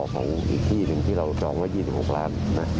ของอีกที่ที่เราจอง๒๖ล้าน